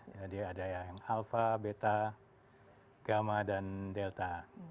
jadi ada yang alpha beta gamma dan delta